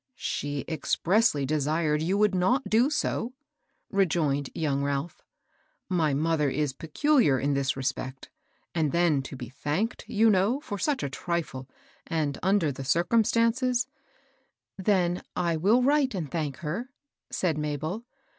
She expressly desired you would not do so^" 820 MABEL ROSS. rejoined young Ralph. " My mother is peculiar in this respect ; and then to be thanked, you know, for such a trifle, and under the circum stances *'—Then I will write and thank her/' said Mabel.